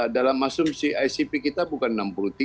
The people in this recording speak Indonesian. dalam asumsi icp kita bukan enam puluh tiga